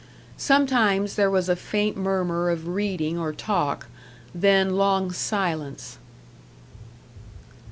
Sometimes there was a faint murmur of reading or talk; then long silence.